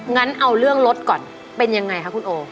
งั้นเอาเรื่องรถก่อนเป็นยังไงคะคุณโอ